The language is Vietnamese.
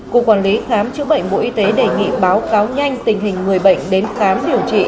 cục quản lý khám chữa bệnh bộ y tế đề nghị báo cáo nhanh tình hình người bệnh đến khám điều trị